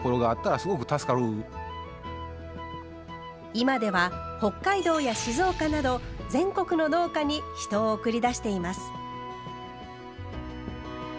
今では北海道や静岡など全国の農家に人を送り出しています。